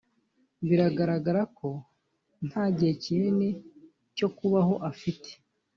Biragaragara ko nta gihe kinini cyo kubaho afite